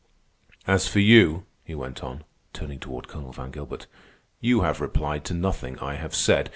"As for you," he went on, turning toward Colonel Van Gilbert, "you have replied to nothing I have said.